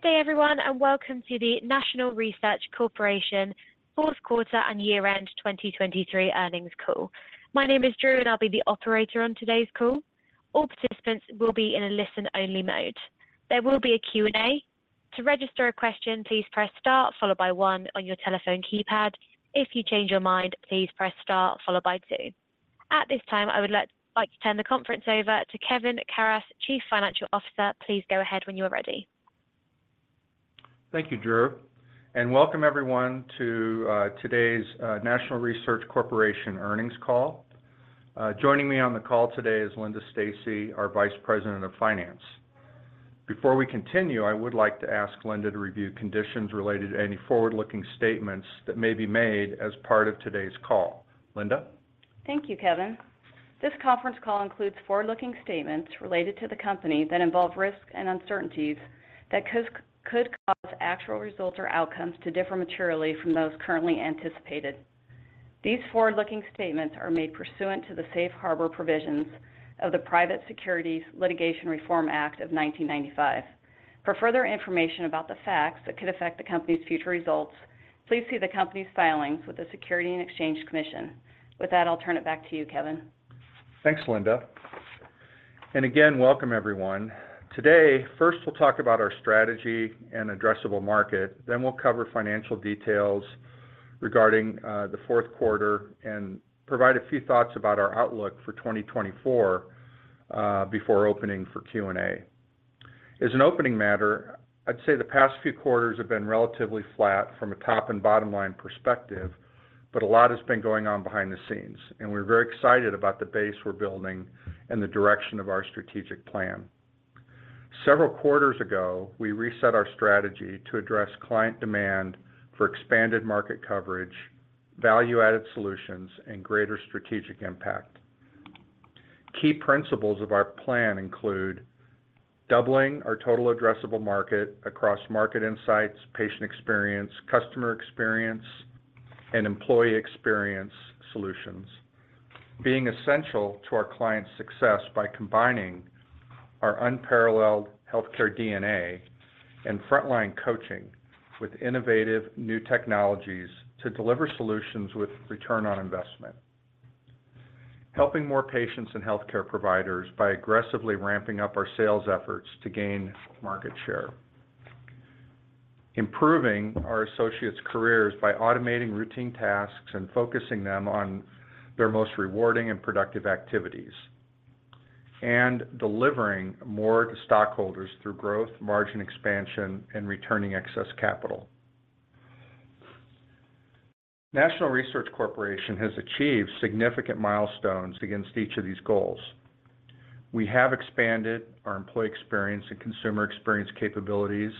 Good day, everyone, and welcome to the National Research Corporation Fourth Quarter and Year-End 2023 Earnings Call. My name is Drew, and I'll be the operator on today's call. All participants will be in a listen-only mode. There will be a Q&A. To register a question, please press Star followed by one on your telephone keypad. If you change your mind, please press Star followed by two. At this time, I would like to turn the conference over to Kevin Karas, Chief Financial Officer. Please go ahead when you are ready. Thank you, Drew, and welcome everyone to today's National Research Corporation Earnings Call. Joining me on the call today is Linda Stacy, our Vice President of Finance. Before we continue, I would like to ask Linda to review conditions related to any forward-looking statements that may be made as part of today's call. Linda. Thank you, Kevin. This conference call includes forward-looking statements related to the company that involve risks and uncertainties that could cause actual results or outcomes to differ materially from those currently anticipated. These forward-looking statements are made pursuant to the Safe Harbor Provisions of the Private Securities Litigation Reform Act of 1995. For further information about the facts that could affect the company's future results, please see the company's filings with the Securities and Exchange Commission. With that, I'll turn it back to you, Kevin. Thanks, Linda. And again, welcome everyone. Today, first, we'll talk about our strategy and addressable market, then we'll cover financial details regarding the fourth quarter and provide a few thoughts about our outlook for 2024 before opening for Q&A. As an opening matter, I'd say the past few quarters have been relatively flat from a top and bottom line perspective, but a lot has been going on behind the scenes, and we're very excited about the base we're building and the direction of our strategic plan. Several quarters ago, we reset our strategy to address client demand for expanded market coverage, value-added solutions, and greater strategic impact. Key principles of our plan include: doubling our total addressable market across market insights, patient experience, customer experience, and employee experience solutions. Being essential to our clients' success by combining our unparalleled healthcare DNA and frontline coaching with innovative new technologies to deliver solutions with return on investment. Helping more patients and healthcare providers by aggressively ramping up our sales efforts to gain market share. Improving our associates' careers by automating routine tasks and focusing them on their most rewarding and productive activities, and delivering more to stockholders through growth, margin expansion, and returning excess capital. National Research Corporation has achieved significant milestones against each of these goals. We have expanded our employee experience and consumer experience capabilities.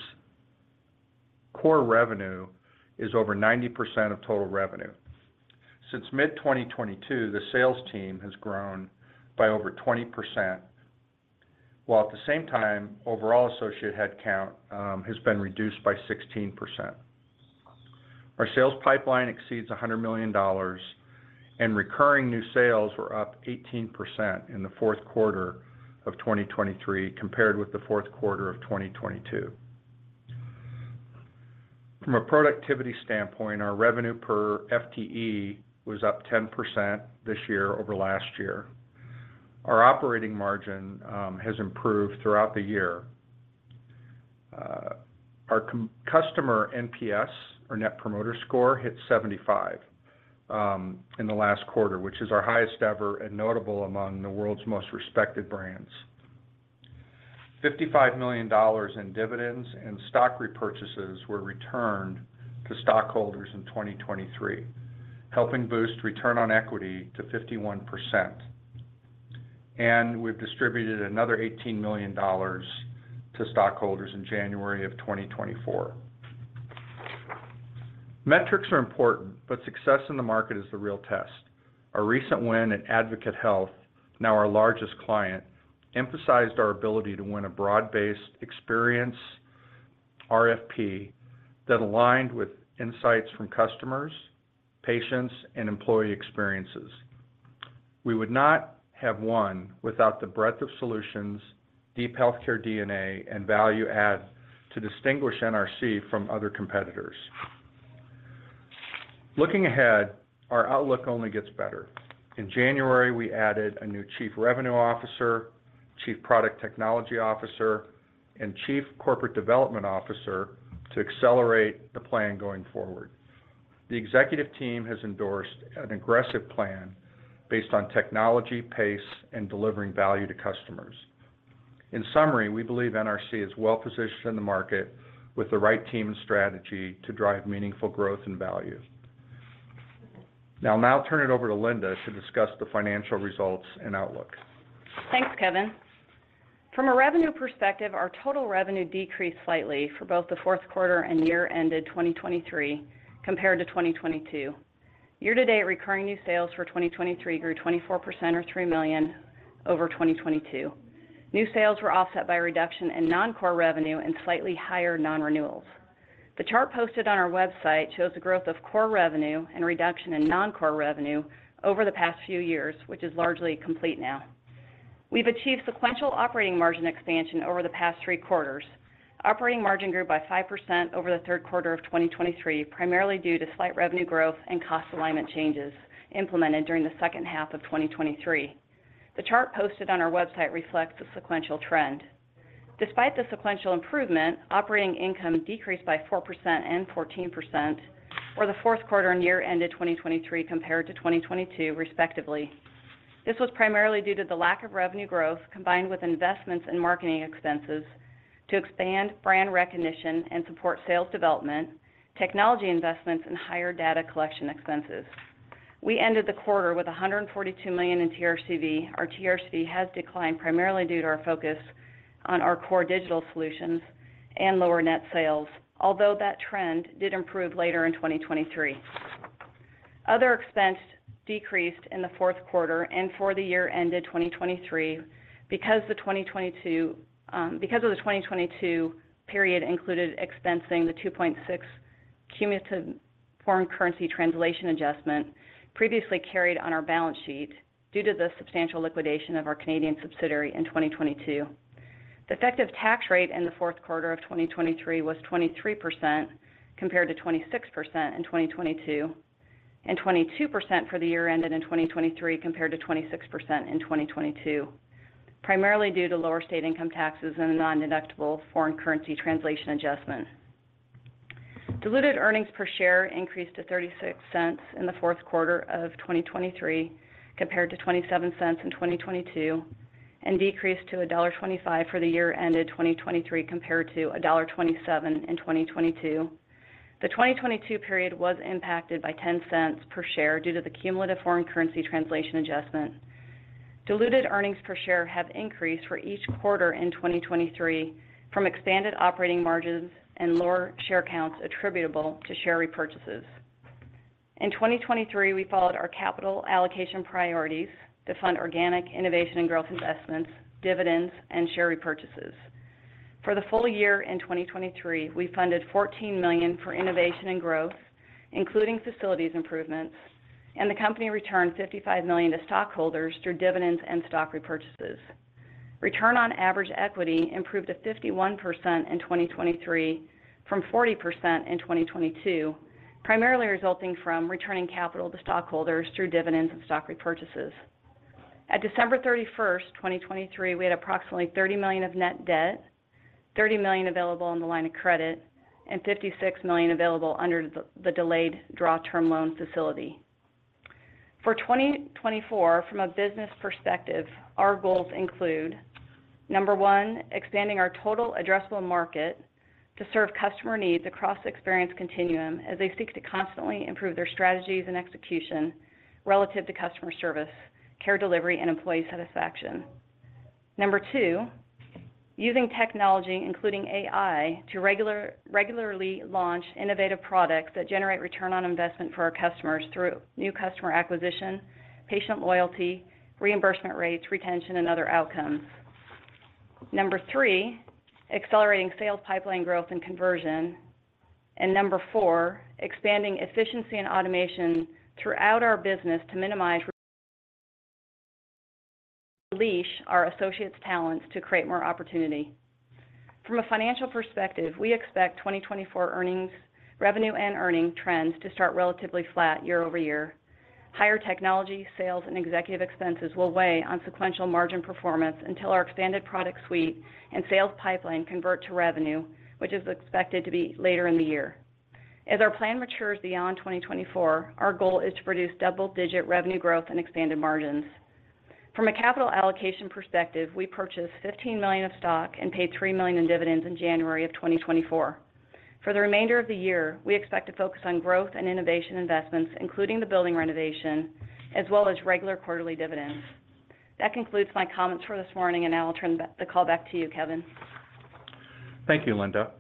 Core revenue is over 90% of total revenue. Since mid-2022, the sales team has grown by over 20%, while at the same time, overall associate headcount has been reduced by 16%. Our sales pipeline exceeds $100,000,000, and recurring new sales were up 18% in the fourth quarter of 2023 compared with the fourth quarter of 2022. From a productivity standpoint, our revenue per FTE was up 10% this year over last year. Our operating margin has improved throughout the year. Our customer NPS, or Net Promoter Score, hit 75 in the last quarter, which is our highest ever and notable among the world's most respected brands. $55 million in dividends and stock repurchases were returned to stockholders in 2023, helping boost return on equity to 51%, and we've distributed another $18,000,000 to stockholders in January of 2024. Metrics are important, but success in the market is the real test. Our recent win at Advocate Health, now our largest client, emphasized our ability to win a broad-based experience RFP that aligned with insights from customers, patients, and employee experiences. We would not have won without the breadth of solutions, deep healthcare DNA, and value add to distinguish NRC from other competitors. Looking ahead, our outlook only gets better. In January, we added a new Chief Revenue Officer, Chief Product Technology Officer, and Chief Corporate Development Officer to accelerate the plan going forward. The executive team has endorsed an aggressive plan based on technology, pace, and delivering value to customers. In summary, we believe NRC is well-positioned in the market with the right team and strategy to drive meaningful growth and value. Now, I'll turn it over to Linda to discuss the financial results and outlook. Thanks, Kevin. From a revenue perspective, our total revenue decreased slightly for both the fourth quarter and year ended 2023 compared to 2022. Year-to-date, recurring new sales for 2023 grew 24% or $3,000,000 over 2022. New sales were offset by a reduction in non-core revenue and slightly higher non-renewals. The chart posted on our website shows the growth of core revenue and reduction in non-core revenue over the past few years, which is largely complete now. We've achieved sequential operating margin expansion over the past three quarters. Operating margin grew by 5% over the third quarter of 2023, primarily due to slight revenue growth and cost alignment changes implemented during the second half of 2023. The chart posted on our website reflects the sequential trend. Despite the sequential improvement, operating income decreased by 4% and 14% for the fourth quarter and year ended 2023 compared to 2022, respectively. This was primarily due to the lack of revenue growth, combined with investments in marketing expenses to expand brand recognition and support sales development, technology investments, and higher data collection expenses. We ended the quarter with $142,000,000 in TRCV. Our TRCV has declined primarily due to our focus on our core digital solutions and lower net sales, although that trend did improve later in 2023. Other expense decreased in the fourth quarter and for the year ended 2023 because of the 2022 period included expensing the 2.6 million cumulative foreign currency translation adjustment previously carried on our balance sheet due to the substantial liquidation of our Canadian subsidiary in 2022. The effective tax rate in the fourth quarter of 2023 was 23%, compared to 26% in 2022, and 22% for the year ended in 2023, compared to 26% in 2022, primarily due to lower state income taxes and a nondeductible foreign currency translation adjustment. Diluted earnings per share increased to $0.36 in the fourth quarter of 2023, compared to $0.27 in 2022, and decreased to $1.25 for the year ended 2023, compared to $1.27 in 2022. The 2022 period was impacted by $0.10 per share due to the cumulative foreign currency translation adjustment. Diluted earnings per share have increased for each quarter in 2023 from expanded operating margins and lower share counts attributable to share repurchases. In 2023, we followed our capital allocation priorities to fund organic innovation and growth investments, dividends, and share repurchases. For the full year in 2023, we funded $14,000,000 for innovation and growth, including facilities improvements, and the company returned $55 million to stockholders through dividends and stock repurchases. Return on average equity improved to 51% in 2023 from 40% in 2022, primarily resulting from returning capital to stockholders through dividends and stock repurchases. At December 31st, 2023, we had approximately $30,000,000 of net debt, $30,000,000 available on the line of credit, and $56,000,000 available under the delayed draw term loan facility. For 2024, from a business perspective, our goals include, number one, expanding our total addressable market to serve customer needs across the experience continuum as they seek to constantly improve their strategies and execution relative to customer service, care delivery, and employee satisfaction. Number two, using technology, including AI, to regularly launch innovative products that generate return on investment for our customers through new customer acquisition, patient loyalty, reimbursement rates, retention, and other outcomes. Number three, accelerating sales pipeline growth and conversion. And number four, expanding efficiency and automation throughout our business to minimize... unleash our associates' talents to create more opportunity. From a financial perspective, we expect 2024 earnings, revenue and earning trends to start relatively flat year-over-year. Higher technology, sales, and executive expenses will weigh on sequential margin performance until our expanded product suite and sales pipeline convert to revenue, which is expected to be later in the year. As our plan matures beyond 2024, our goal is to produce double-digit revenue growth and expanded margins. From a capital allocation perspective, we purchased $15,000,000 of stock and paid $3,000,000 in dividends in January of 2024. For the remainder of the year, we expect to focus on growth and innovation investments, including the building renovation, as well as regular quarterly dividends. That concludes my comments for this morning, and now I'll turn the call back to you, Kevin. Thank you, Linda.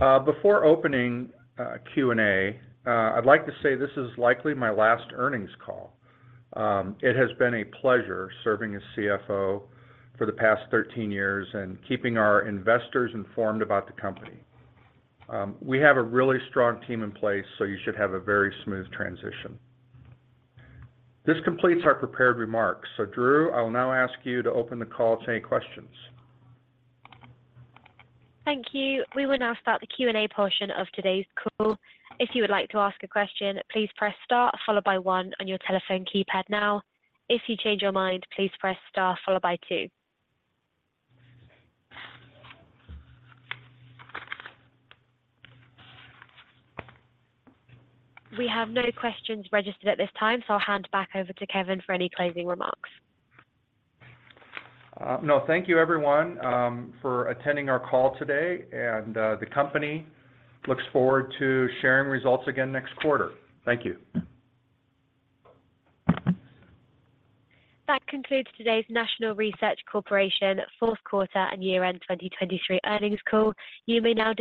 Before opening Q&A, I'd like to say this is likely my last earnings call. It has been a pleasure serving as CFO for the past 13 years and keeping our investors informed about the company. We have a really strong team in place, so you should have a very smooth transition. This completes our prepared remarks. So, Drew, I will now ask you to open the call to any questions. Thank you. We will now start the Q&A portion of today's call. If you would like to ask a question, please press star followed by one on your telephone keypad now. If you change your mind, please press star followed by two. We have no questions registered at this time, so I'll hand it back over to Kevin for any closing remarks. No, thank you, everyone, for attending our call today, and the company looks forward to sharing results again next quarter. Thank you. That concludes today's National Research Corporation Fourth Quarter and Year-End 2023 Earnings Call.